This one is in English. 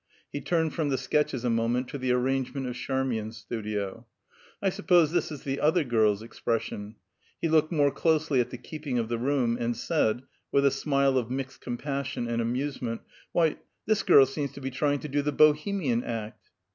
He turned from the sketches a moment to the arrangement of Charmian's studio. "I suppose this is the other girl's expression." He looked more closely at the keeping of the room, and said, with a smile of mixed compassion and amusement, "Why, this girl seems to be trying to do the Bohemian act!"